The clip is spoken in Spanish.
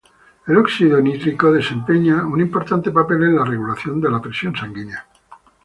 El óxido nítrico desempeña un importante papel en la regulación de la presión sanguínea.